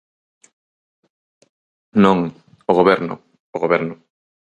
Non, o Goberno, o Goberno.